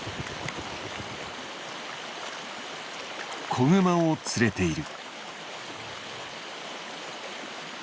子グマを連れている。